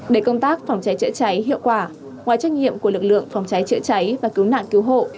để công tác phòng cháy chữa cháy hiệu quả ngoài trách nhiệm của lực lượng phòng cháy chữa cháy và cứu nạn cứu hộ